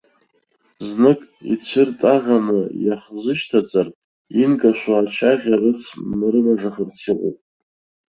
Знык ицәыртаӷаны иаҳзышьҭаҵар инкашәо ачаӷьа рыц марымажахарц иҟоуп.